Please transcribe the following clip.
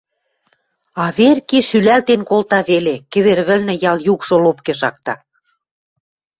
— Аверки шӱлӓлтен колта веле, кӹвер вӹлнӹ ял юкшы лопке шакта.